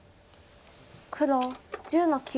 黒１０の九。